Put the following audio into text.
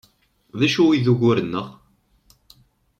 D acu i d ugur-nneɣ?